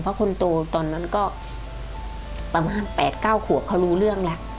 เพราะคนโตตอนนั้นก็ประมาณ๘๙ขวบเขารู้เรื่องแล้ว